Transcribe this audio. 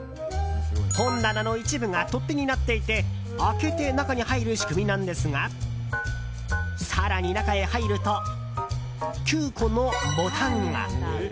本棚の一部が取っ手になっていて開けて中に入る仕組みなんですが更に中へ入ると９個のボタンが。